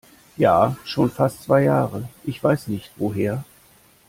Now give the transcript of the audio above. Ja, schon fast zwei Jahre. Ich weiß nicht woher.